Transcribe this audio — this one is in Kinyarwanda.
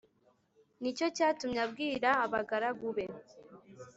Ni cyo cyatumye abwira abagaragu be